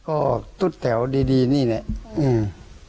ก็ตุ๊ดแต๋วดีดีนี่เนี้ยอืม